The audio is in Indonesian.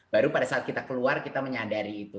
baru pada saat kita keluar kita menyadari itu